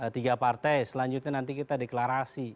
tiga partai selanjutnya nanti kita deklarasi